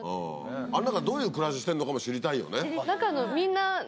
あの中どういう暮らししてるのかも知りたいよね。